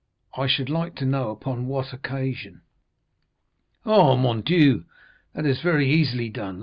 "I should like to know upon what occasion?" "Oh, mon Dieu! that is very easily done.